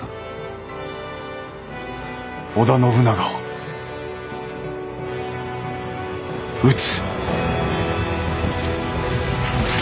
織田信長を討つ。